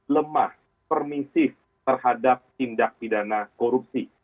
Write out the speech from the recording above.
lemah permisif terhadap tindak pidana korupsi